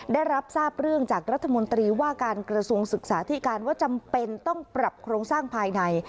ได้รับทราบเรื่องจากรัฐมนตรีว่าการกระทรวงศึกษาที่การว่าจำเป็นต้องปรับโครงสร้างภายใน